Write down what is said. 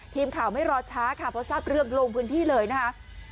ทีมข่าวไม่รอช้าค่ะพอทราบเรื่องลงพื้นที่เลยนะคะ